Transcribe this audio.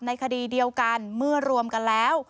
คดีเดียวกันเมื่อรวมกันแล้ว